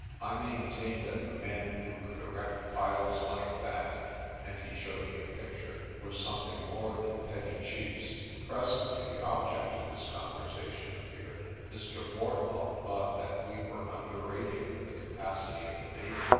I maintain that the men who could erect piles like that" and he showed me a picture "were some thing more than petty chiefs." Presently the object of this conversation appeared. Mr. Wardlaw thought that we were underrating the capacity of the native.